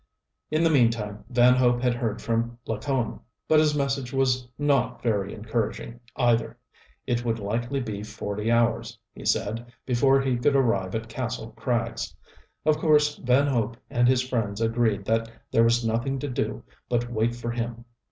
In the meantime Van Hope had heard from Lacone but his message was not very encouraging either. It would likely be forty hours, he said, before he could arrive at Kastle Krags. Of course Van Hope and his friends agreed that there was nothing to do but wait for him.